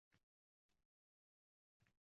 Ham shavq bilan